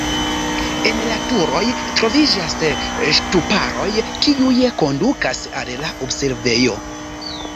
En la turoj troviĝas ŝtuparoj, kiuj kondukas al la observejo.